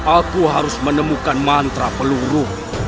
aku harus menemukan mantra peluru